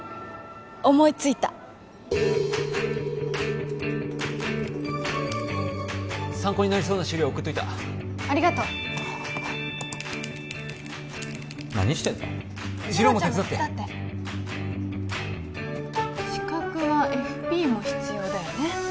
思いついた参考になりそうな資料送っといたありがとう何してんだ次郎ちゃんも手伝って次郎も手伝って資格はＦＰも必要だよね